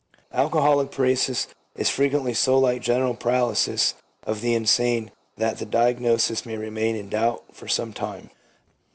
Alcoholic paresis is frequently so like general paralysis of the insane that the diagnosis may remain in doubt for some time.